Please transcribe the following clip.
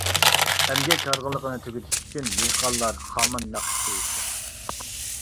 ئەمگەك ھارغىنلىقىنى تۈگىتىش ئۈچۈن دېھقانلار خامان ناخشىسى ئېيتىدۇ.